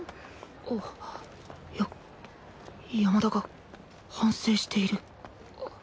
や山田が反省している